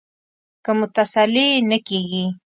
که مو تسلي نه کېږي.